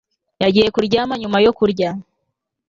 Yagiye kuryama nyuma yo kurya